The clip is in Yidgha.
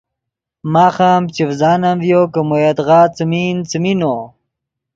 ماخ ام چڤزانم ڤیو کہ مو یدغا څیمین، څیمین نو